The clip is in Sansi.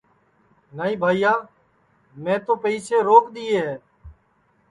نائی بھائیا میں تو پئیسے روک دؔیے ہے